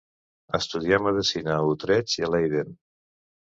Estudià medicina a Utrecht i a Leiden.